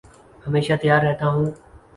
ہمیشہ تیار رہتا ہوں